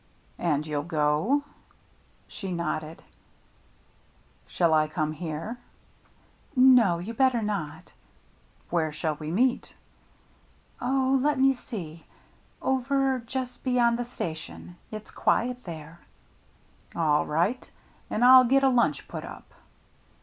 "And you'll go?" She nodded. « Shall I come here ?"" No, you'd better not." " Where shall we meet ?"" Oh — let me see — over just beyond the station. It's quiet there." "All right. And I'll get a lunch put up."